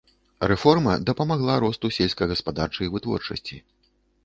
Рэформа дапамагла росту сельскагаспадарчай вытворчасці.